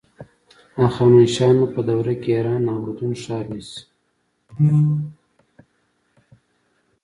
هخامنشیانو په دوره کې ایران اردن ښار نیسي.